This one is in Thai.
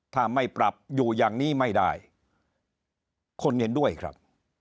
ถ้าไม่ปรับอยู่อย่างนี้ไม่ได้คนเห็นด้วยครับ